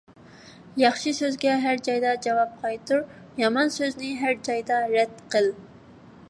ياخشى سۆزگە ھەر جايدا جاۋاب قايتۇر، يامان سۆزنى ھەر جايدا رەت قىل.